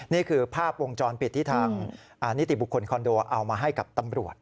นี่คือภาพวงจรปิดที่ทางนิติบุคคลคอนโดเอามาให้กับตำรวจ